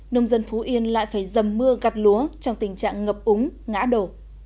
nông dân phú yên lại phải dầm mưa gặt lúa trong tình trạng ngập úng ngã đổ